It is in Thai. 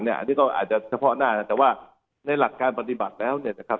อันนี้ก็อาจจะเฉพาะหน้านะแต่ว่าในหลักการปฏิบัติแล้วเนี่ยนะครับ